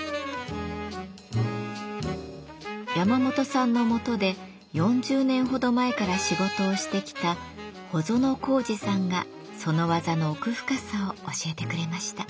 山本さんのもとで４０年ほど前から仕事をしてきた穂園光二さんがその技の奥深さを教えてくれました。